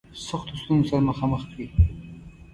سختو ستونزو سره مخامخ کړي.